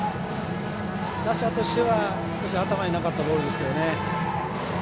打者としては少し頭になかったボールですね。